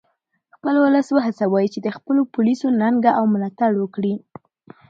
خپل ولس و هڅوئ چې د خپلو پولیسو ننګه او ملاتړ وکړي